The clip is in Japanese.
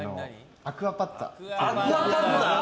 アクアパッツァ！